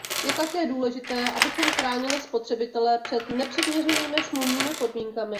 Je také důležité, abychom chránili spotřebitele před nepřiměřenými smluvními podmínkami.